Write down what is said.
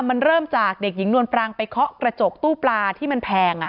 มันเริ่มจากเด็กหญิงนวลปรังไปเคาะกระจกตู้ปลาที่มันแพง